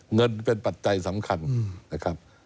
เงินเป็นปัจจัยสำคัญนะครับ